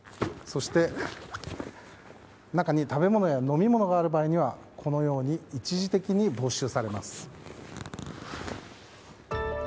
そして、中に食べ物や飲み物がある場合にはこのように一時的に没収されます。